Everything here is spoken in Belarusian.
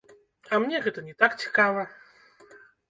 А мне гэта не так цікава.